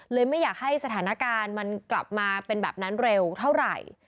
ไม่อยากให้สถานการณ์มันกลับมาเป็นแบบนั้นเร็วเท่าไหร่